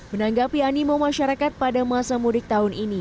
menanggapi animo masyarakat pada masa mudik tahun ini